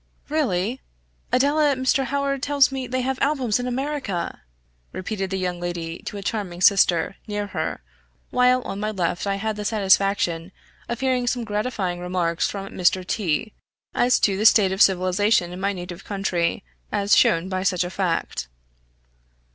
"Really! Adela, Mr. Howard tells me they have albums in America!" repeated the young lady to a charming sister, near her; while on my left I had the satisfaction of hearing some gratifying remarks from Mr. T , as to the state of civilization in my native country, as shown by such a fact.